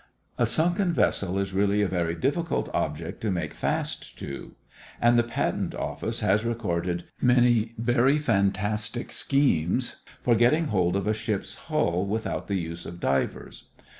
A sunken vessel is really a very difficult object to make fast to and the Patent Office has recorded many very fantastic schemes for getting hold of a ship's hull without the use of divers.